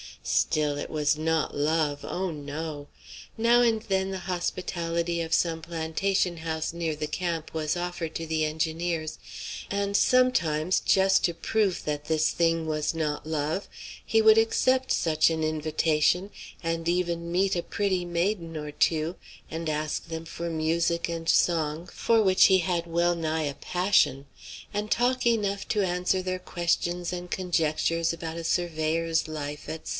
Still it was not love oh, no! Now and then the hospitality of some plantation house near the camp was offered to the engineers; and sometimes, just to prove that this thing was not love, he would accept such an invitation, and even meet a pretty maiden or two, and ask them for music and song for which he had well nigh a passion and talk enough to answer their questions and conjectures about a surveyor's life, etc.